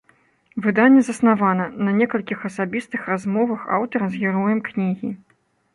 Выданне заснавана на некалькіх асабістых размовах аўтара з героем кнігі.